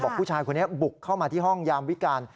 ผู้ชายคนนี้บุกเข้ามาที่ห้องยามวิการ